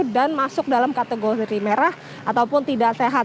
dan masuk dalam kategori merah ataupun tidak sehat